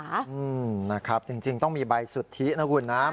อืมนะครับจริงจริงต้องมีใบสุทธินะคุณนะ